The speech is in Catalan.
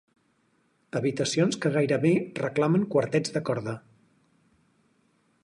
Habitacions que gairebé reclamen quartets de corda.